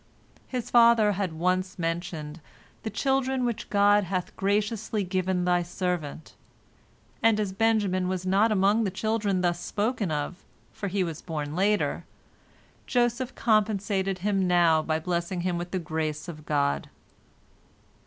" His father had once mentioned "the children which God hath graciously given Thy servant," and as Benjamin was not among the children thus spoken of, for he was born later, Joseph compensated him now by blessing him with the grace of God.